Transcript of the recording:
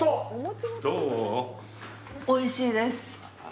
おいしいです。